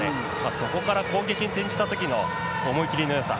そこから攻撃に転じたときの思い切りのよさ